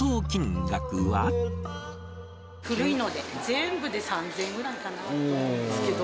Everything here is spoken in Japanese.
古いので、全部で３０００円ぐらいかなと思いますけど。